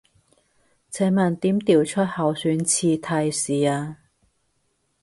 請問點調出候選詞提示啊